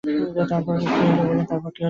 আমি বললাম, তারপর কী হল বলুন।